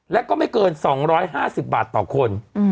และก็ไม่เกิน๒๕๐บาทต่อคน